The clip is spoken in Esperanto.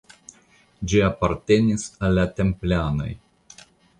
Ĝi apartenis al la Templanoj.